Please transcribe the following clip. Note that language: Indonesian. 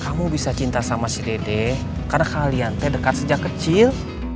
kamu bisa cinta sama si dede karena kalian saya dekat sejak kecil